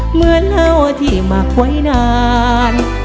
เหมือนเราที่หมักไว้นาน